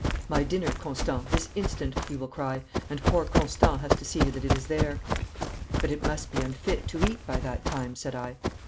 "My dinner, Constant, this instant!" he will cry, and poor Constant has to see that it is there.' 'But it must be unfit to eat by that time,' said I.